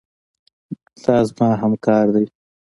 دا زما همکار دی.